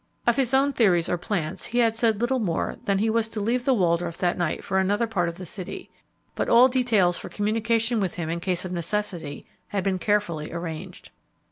Of his own theories or plans he had said little more than that he was to leave the Waldorf that night for another part of the city, but all details for communication with him in case of necessity had been carefully arranged.